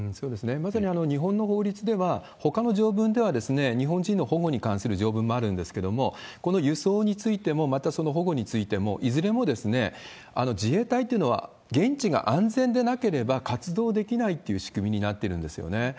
まさに日本の法律では、ほかの条文では、日本人の保護に関する条文もあるんですけれども、この輸送についても、またその保護についても、いずれも自衛隊っていうのは、現地が安全でなければ活動できないっていう仕組みになっているんですよね。